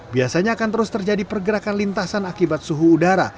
biasanya akan terus terjadi pergerakan lintasan akibat suhu udara